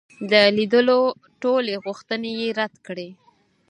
د لیدلو ټولي غوښتني یې رد کړې.